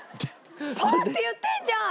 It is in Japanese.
パンって言ってんじゃん！